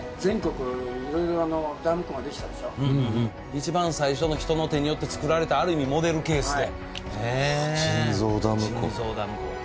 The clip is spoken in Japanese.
一番最初の人の手によって造られたある意味モデルケースで。